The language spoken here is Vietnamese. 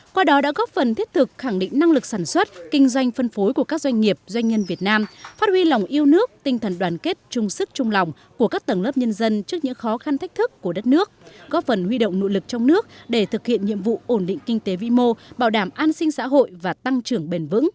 qua đó đã góp phần thiết thực khẳng định năng lực sản xuất kinh doanh phân phối của các doanh nghiệp doanh nhân việt nam phát huy lòng yêu nước tinh thần đoàn kết trung sức trung lòng của các tầng lớp nhân dân trước những khó khăn thách thức của đất nước góp phần huy động nội lực trong nước để thực hiện nhiệm vụ ổn định kinh tế vĩ mô bảo đảm an sinh xã hội và tăng trưởng bền vững